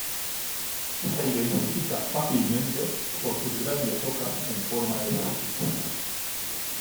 Se identifica fácilmente por sus grandes hojas en forma de salchicha.